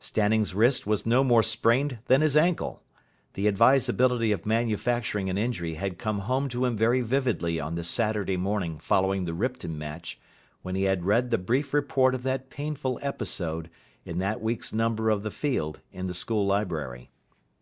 Stanning's wrist was no more sprained than his ankle. The advisability of manufacturing an injury had come home to him very vividly on the Saturday morning following the Ripton match, when he had read the brief report of that painful episode in that week's number of the Field in the school library.